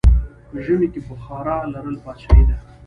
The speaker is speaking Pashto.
په ژمی کې بخارا لرل پادشاهي ده.